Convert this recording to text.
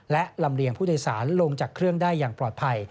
และลำเลียงผู้โดยสารลงจากเครื่องได้อย่างปลอดภัย